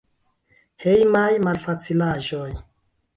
Hejmaj malfacilaĵoj.